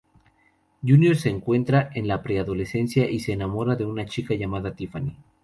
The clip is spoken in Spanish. Junior se encuentra en la pre-adolescencia y se enamora de una chica llamada Tiffany.